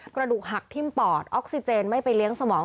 กระดูกหักทิ้มปอดออกซิเจนไม่ไปเลี้ยงสมอง